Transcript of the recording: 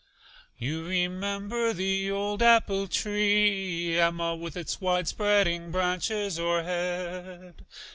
You remember the old apple tree, Emma, With its wide spreading branches o'erhead?